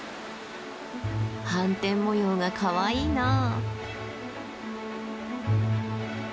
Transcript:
斑点模様がかわいいなあ。